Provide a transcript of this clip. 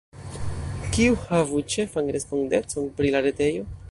Kiu havu ĉefan respondecon pri la retejo?